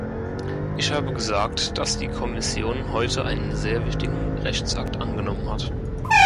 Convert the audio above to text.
Ich habe gesagt, dass die Kommission heute einen sehr wichtigen Rechtsakt angenommen hat.